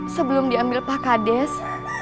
sebelum diambil pak kades